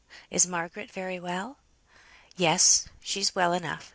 Is Margaret very well?" "Yes, she's well enough.